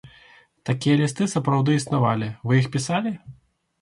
Такія лісты сапраўды існавалі, вы іх пісалі?